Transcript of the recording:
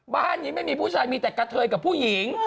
บ้านนี้ไม่มีผู้ชายมีแต่กะเทยกับผู้หญิง